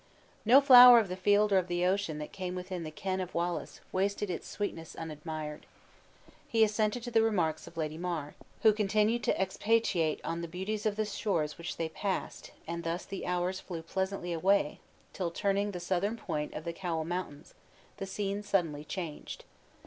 No flower of the field or of the ocean that came within the ken of Wallace, wasted its sweetness unadmired. He assented to the remarks of Lady Mar, who continued to expatiate on the beauties of the shores which they passed; and thus the hours flew pleasantly away, till, turning the southern point of the Cowal Mountains, the scene suddenly changed.